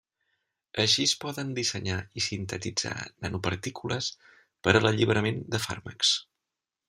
Així es poden dissenyar i sintetitzar nanopartícules per a l'alliberament de fàrmacs.